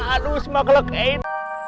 aduh semak lekein